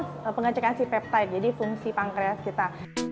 itu pengecekan si peptide jadi fungsi pankreas kita